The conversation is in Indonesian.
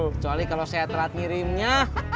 kecuali kalau saya telat ngirimnya